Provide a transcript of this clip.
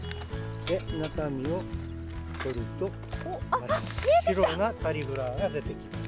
中身をとると、真っ白なカリフラワーが出てきます。